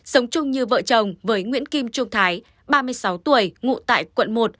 sống chung như vợ chồng với nguyễn kim trung thái ba mươi sáu tuổi ngụ tại quận một